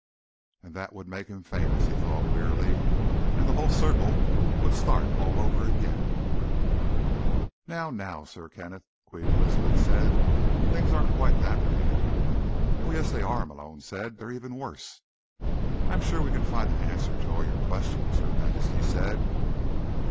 And that would make him famous, he thought wearily, and the whole circle would start all over again. "Now, now, Sir Kenneth," Queen Elizabeth said. "Things aren't quite that bad." "Oh, yes, they are," Malone said. "They're even worse." "I'm sure we can find an answer to all your questions," Her Majesty said.